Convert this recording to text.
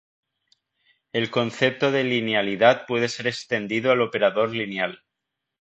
El concepto de linealidad puede ser extendido al operador lineal.